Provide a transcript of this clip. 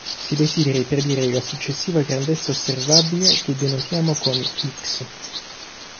Si desideri predire la successiva grandezza osservabile che denotiamo con "X".